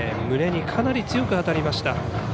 胸に、かなり強く当たりました。